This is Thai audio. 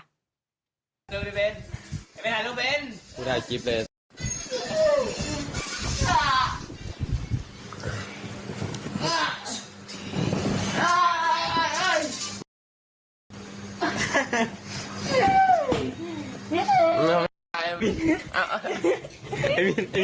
รูปนี้ก็พอรกี่นัดไม้เลยสำหรับพี่เหนือ